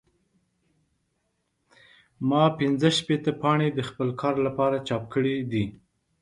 ما پنځه شپېته پاڼې د خپل کار لپاره چاپ کړې دي.